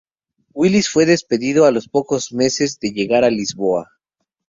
Willis fue despedido a los pocos meses de llegar a Lisboa.